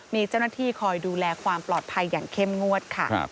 มีเจ้าหน้าที่คอยดูแลความปลอดภัยอย่างเข้มงวดค่ะ